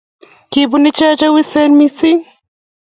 Kibun inee chewien missing